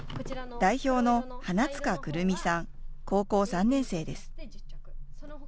代表の花塚来実さん、高校３年生です。